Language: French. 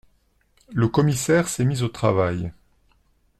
Le commissaire s’est mis au travail…